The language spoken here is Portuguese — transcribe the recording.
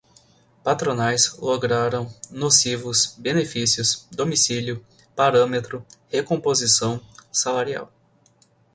patronais, lograram, nocivos, benefícios, domicílio, parâmetro, recomposição salarial